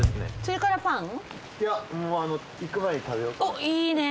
おっいいね。